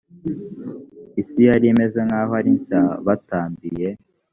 isi yari imeze nk aho ari nshya batambiye